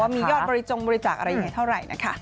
ว่ามียอดบริจงบริจักษ์อะไรอย่างนี้เท่าไหร่นะคะ